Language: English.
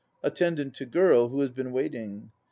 ATTENDANT (to GIRL, who has been waiting).